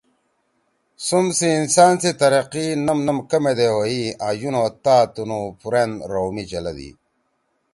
سُم سی انسان سی ترقی نم نم کمے دے ہوئی آں یُن او تا تنُو پُورأن رو می چلَدی